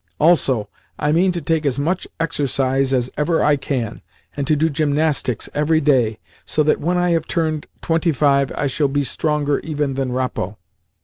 Also, I mean to take as much exercise as ever I can, and to do gymnastics every day, so that, when I have turned twenty five, I shall be stronger even than Rappo.